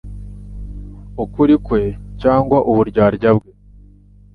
ukuri kwe cyangwa uburyarya bwe»